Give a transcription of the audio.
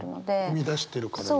生み出してるから。